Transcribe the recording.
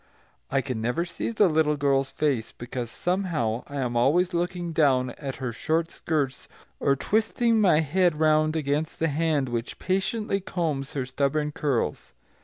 I can never see the little girl's face, because, somehow, I am always looking down at her short skirts or twisting my head round against the hand which patiently combs her stubborn curls.